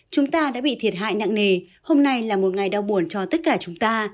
chúng ta đã bị thiệt hại nặng nề hôm nay là một ngày đau buồn cho tất cả chúng ta